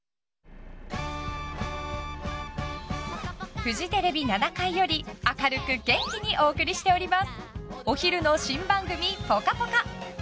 フジテレビ７階より明るく元気にお送りしております。